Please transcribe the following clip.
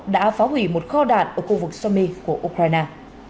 đã phá hủy một kho đạn ở khu vực somi của ukraine